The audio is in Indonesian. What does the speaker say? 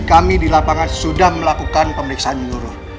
kami di lapangan sudah melakukan pemeriksaan menyeluruh